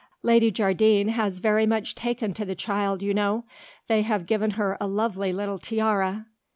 "Lady Jardine has very much taken to the child you know. They have given her a lovely little tiara."